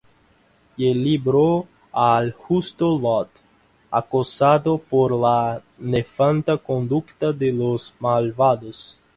Y libró al justo Lot, acosado por la nefanda conducta de los malvados;